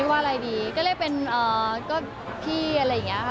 ว่าอะไรดีก็เรียกเป็นก็พี่อะไรอย่างนี้ค่ะ